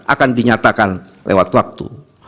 akan dinyatakan lewat waktu